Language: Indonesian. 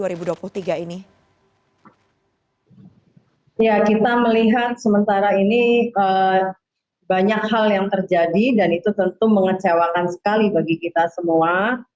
ya kita melihat sementara ini banyak hal yang terjadi dan itu tentu mengecewakan sekali bagi kita semua